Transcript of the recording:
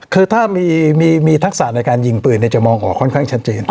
คือถ้ามีทักษะในการยิงปืนจะมองออกค่อนข้างชัดเจน